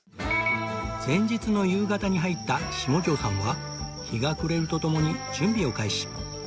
前日の夕方に入った下城さんは日が暮れるとともに準備を開始